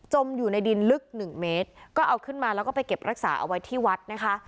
อยู่ในดินลึกหนึ่งเมตรก็เอาขึ้นมาแล้วก็ไปเก็บรักษาเอาไว้ที่วัดนะคะ